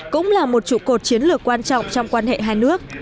cũng là một trụ cột chiến lược quan trọng trong quan hệ hai nước